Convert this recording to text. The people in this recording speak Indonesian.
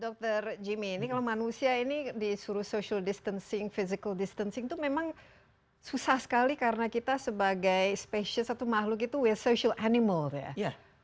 dokter jimmy kalau manusia ini disuruh social distancing physical distancing itu memang susah sekali karena kita sebagai spesies atau makhluk itu we are social animals